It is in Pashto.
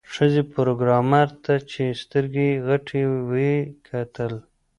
ښځې پروګرامر ته چې سترګې یې غټې وې وکتل